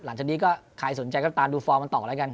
หลังจากนี้ก็ใครสนใจก็ตามดูฟอร์มมันต่อแล้วกัน